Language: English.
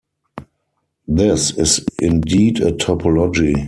This is indeed a topology.